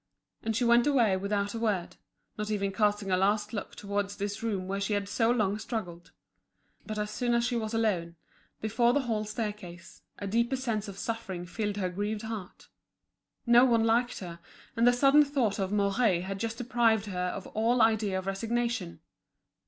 And she went away without a word, not even casting a last look towards this room where she had so long struggled. But as soon as she was alone, before the hall staircase, a deeper sense of suffering filled her grieved heart. No one liked her, and the sudden thought of Mouret had just deprived her of all idea of resignation.